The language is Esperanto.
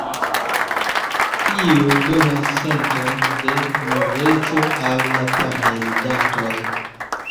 Tio donas senton de noveco al japanaj ludantoj.